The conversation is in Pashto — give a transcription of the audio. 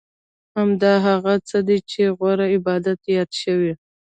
همدا هغه څه دي چې غوره عبادت یاد شوی.